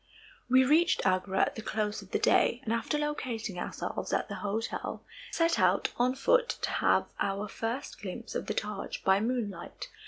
We reached Agra at the close of the day, and after locating ourselves at the hotel, set out on foot to have our first glimpse of the Taj by moonlight.